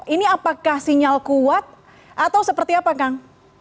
ini apakah sinyal kuat atau seperti apa kang